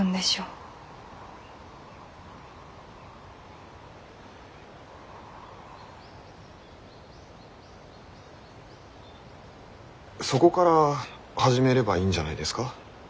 そこから始めればいいんじゃないですか？